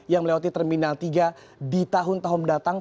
yang melewati terminal tiga di tahun tahun mendatang